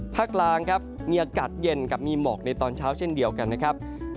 กลางครับมีอากาศเย็นกับมีหมอกในตอนเช้าเช่นเดียวกันนะครับ